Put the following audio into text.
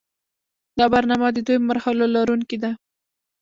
دا برنامه د دوو مرحلو لرونکې ده.